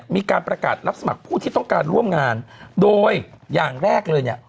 มีการประกาศรับสมัครผู้ที่ต้องการร่วมงานโดยอย่างแรกเลยเนี่ย